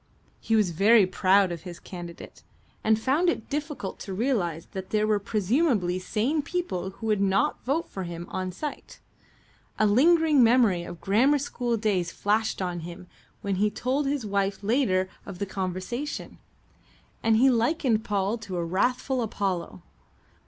He was very proud of his candidate, and found it difficult to realize that there were presumably sane people who would not vote for him on sight. A lingering memory of grammar school days flashed on him when he told his wife later of the conversation, and he likened Paul to a wrathful Apollo.